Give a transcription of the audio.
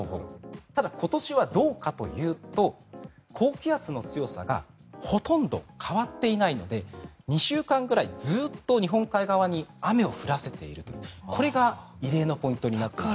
ただ、今年はどうかというと高気圧の強さがほとんど変わっていないので２週間くらいずっと日本海側に雨を降らせているというこれが異例のポイントになっていますね。